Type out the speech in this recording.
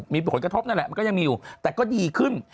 มีผลกระทบนั่นแหละมันก็ยังมีอยู่แต่ก็ดีขึ้น